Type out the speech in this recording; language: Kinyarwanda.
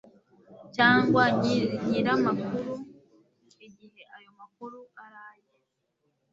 cyangwa nyir amakuru igihe ayo makuru ari aye